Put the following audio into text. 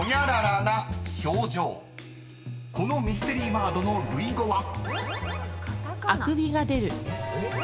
［このミステリーワードの類語は］